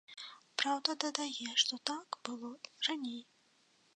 Праўда, дадае, што так было раней.